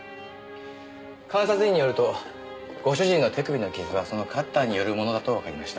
監察医によるとご主人の手首の傷はそのカッターによるものだとわかりました。